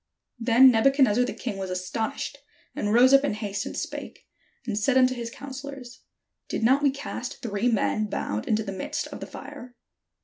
Then Nebuchadnezzar the king was astonished, and rose up in haste, and spake, and said unto his counsel lors: "Did not we cast three men bound into the midst of the fire?"